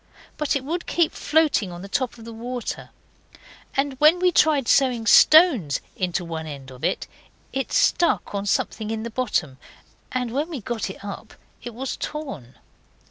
But it would keep floating on the top of the water, and when we tried sewing stones into one end of it, it stuck on something in the bottom, and when we got it up it was torn.